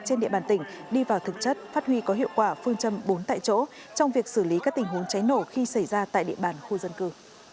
trên địa bàn tỉnh đi vào thực chất phát huy có hiệu quả phương châm bốn tại chỗ trong việc xử lý các tình huống cháy nổ khi xảy ra tại địa bàn khu dân cư